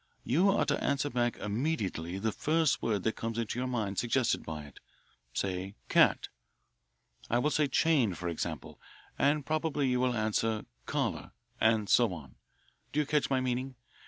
You are to answer back immediately the first word that comes into your mind suggested by it say 'cat.' I will say 'chain,' for example, and probably you will answer 'collar,' and so on. Do you catch my meaning?